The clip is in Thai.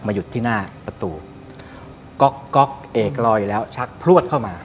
หยุดที่หน้าประตูก๊อกก๊อกเอกลอยแล้วชักพลวดเข้ามา